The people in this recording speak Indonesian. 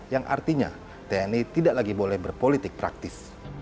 yang artinya tni tidak lagi boleh berpolitik praktis